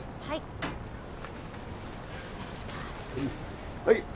はい。